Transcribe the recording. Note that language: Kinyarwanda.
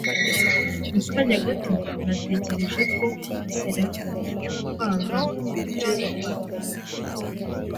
Mu kanya gato, natekereje ko Karasiraashobora kwanga ibyo twatanze.